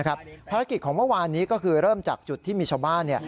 ภารกิจของเมื่อวานนี้ก็คือเริ่มจากจุดที่มีชาวบ้าน